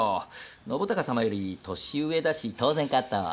信孝様より年上だし当然かと。